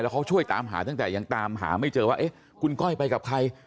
เขาช่วยตามหาตั้งแต่ยังตามหาไม่เจอว่าเอ๊ะคุณก้อยไปกับใคร